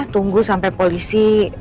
tunggu sampai polisi